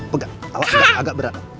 pegang agak berat